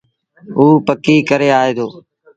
اُ پڪيٚ ڪري آئي دو۔